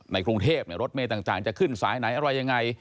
กรุงเทพรถเมย์ต่างจะขึ้นสายไหนอะไรยังไง